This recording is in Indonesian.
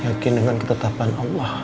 yakin dengan ketetapan allah